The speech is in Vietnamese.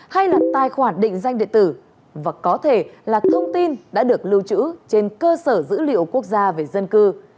hay là tài khoản định danh điện tử và có thể là thông tin đã được lưu trữ trên cơ sở dữ liệu quốc gia về dân cư